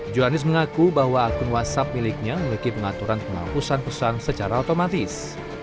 johanis mengaku bahwa akun whatsapp miliknya memiliki pengaturan penghapusan pesan secara otomatis